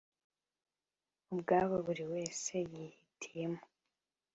ubwabo buri wese yihitiyemo